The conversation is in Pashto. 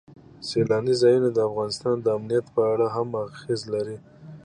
سیلانی ځایونه د افغانستان د امنیت په اړه هم اغېز لري.